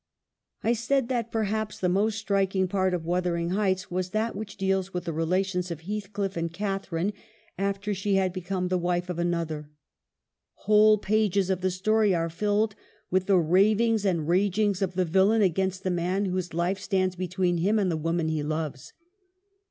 I said that perhaps the most striking part of ' Wuthering Heights ' was 1 ' Emily Bronte.' T. Wemyss Reid. 'WUTHERING HEIGHTS: 217 that which deals with the relations of Heathcliff and Catharine after she had become the wife of another. Whole pages of the story are filled with the ravings and ragings of the villain against the man whose life stands between him and the woman he loves.